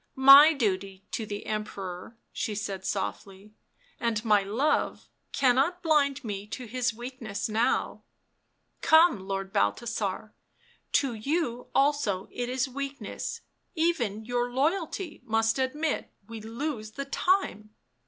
" My duty to the Emperor,'' she said softly, " and my love, cannot blind me to his weakness now ; come, Lord Balthasar, to you also it is weakness— even your loyalty must admit we lose the time.